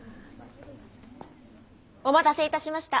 お待たせいたしました。